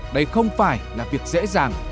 đây không phải là việc dễ dàng